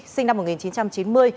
sinh năm một nghìn chín trăm chín mươi